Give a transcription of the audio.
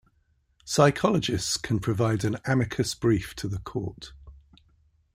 Psychologists can provide an amicus brief to the court.